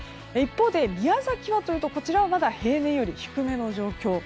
一方で宮崎はというと、こちらはまだ平年より低めの状況。